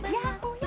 ya oh ya